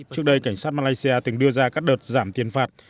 trước đây cảnh sát malaysia từng đưa ra các đợt giảm tiền phạt